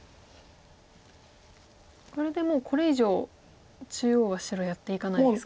これでもうこれ以上中央は白やっていかないですか。